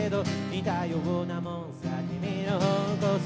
「似たようなもんさ君の方こそ」